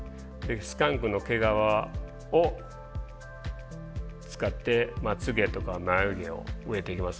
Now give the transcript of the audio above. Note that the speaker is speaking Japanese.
スカンクの毛皮を使ってまつげとか眉毛を植えていきます。